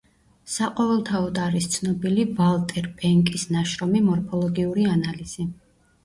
საყოველთაოდ არის ცნობილი ვალტერ პენკის ნაშრომი „მორფოლოგიური ანალიზი“.